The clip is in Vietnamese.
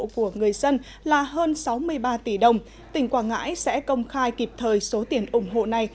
của người dân là hơn sáu mươi ba tỷ đồng tỉnh quảng ngãi sẽ công khai kịp thời số tiền ủng hộ này